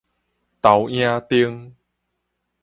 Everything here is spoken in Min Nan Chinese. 投影燈